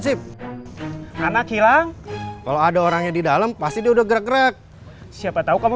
si anak hilang kalau ada orangnya di dalam pasti udah grek siapa tahu kamu